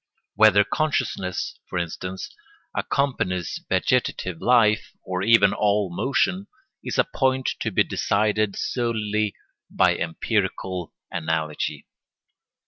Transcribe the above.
Whether consciousness, for instance, accompanies vegetative life, or even all motion, is a point to be decided solely by empirical analogy.